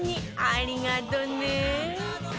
ありがとね！